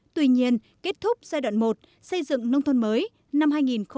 tuy nhiên kết thúc giai đoạn một xây dựng nông thôn mới năm hai nghìn một mươi hai nghìn một mươi năm